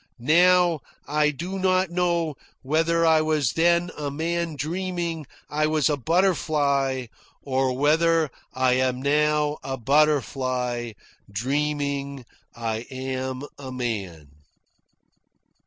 Now I do not know whether I was then a man dreaming I was a butterfly, or whether I am now a butterfly dreaming I am a man."